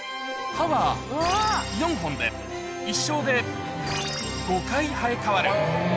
歯は４本で、一生で５回生え変わる。